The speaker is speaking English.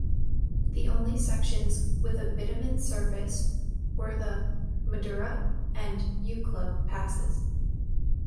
The only sections with a bitumen surface were the Madura and Eucla Passes.